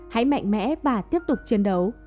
hãy mạnh mẽ và tiếp tục chiến đấu